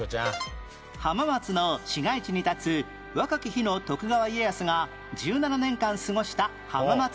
浜松の市街地に立つ若き日の徳川家康が１７年間過ごした浜松城